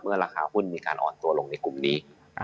ราคาหุ้นมีการอ่อนตัวลงในกลุ่มนี้